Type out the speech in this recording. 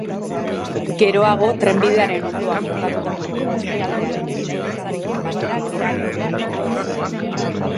Geroago, trenbidearen ondoan kokatutako industrialdearen eraikuntzarekin batera geralekua eraiki zen.